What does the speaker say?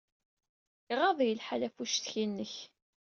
Iɣaḍ-iyi lḥal ɣef uccetki-nnek.